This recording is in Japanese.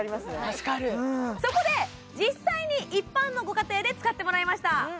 助かるそこで実際に一般のご家庭で使ってもらいました